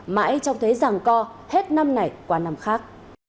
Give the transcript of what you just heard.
mãi trong thế rằng co hết năm này qua năm khác